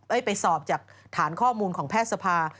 เอ้ยไปสอบทางข้อมูลของแพทย์สภา